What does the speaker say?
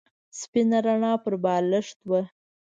سپینه رڼا پر بالښت وه.